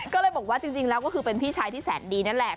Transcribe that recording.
ก็เลยบอกว่าจริงแล้วก็คือเป็นพี่ชายที่แสนดีนั่นแหละ